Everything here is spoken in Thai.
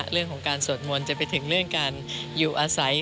เรื่องของการสวดมนต์จะไปถึงเรื่องการอยู่อาศัย